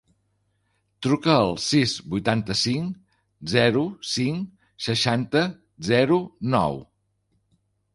Truca al sis, vuitanta-cinc, zero, cinc, seixanta, zero, nou.